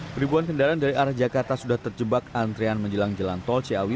peribuan kendaraan dari arah jakarta sudah terjebak antrean menjelang jalan tol ciawi